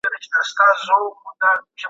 په هند کې د خطي نسخو مرکزونه ډېر فعال دي.